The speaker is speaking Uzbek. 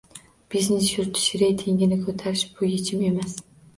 Biznes yuritish reytingini ko'tarish-bu yechim emas